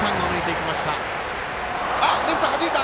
レフト、はじいた！